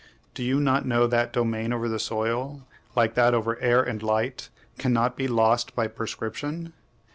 Do you not know that domain over the soil, like that over air and light, cannot be lost by prescription?